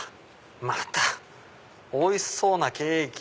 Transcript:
またおいしそうなケーキで。